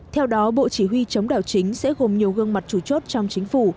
theo đó bộ chỉ huy chống đảo chính sẽ gồm nhiều gương mặt chủ chốt trong chính phủ